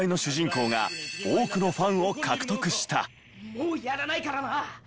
もうやらないからな！